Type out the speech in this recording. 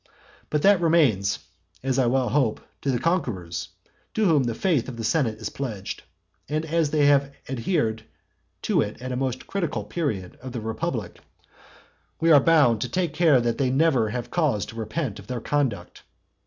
But that remains, as I well hope, to the conquerors, to whom the faith of the senate is pledged; and, as they have adhered to it at a most critical period of the republic, we are bound to take care that they never have cause to repent of their conduct.